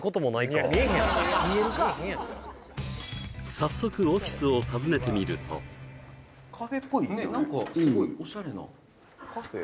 早速オフィスを訪ねてみると何かすごいオシャレなカフェ？